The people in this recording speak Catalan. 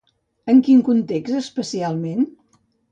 En quin context especialment?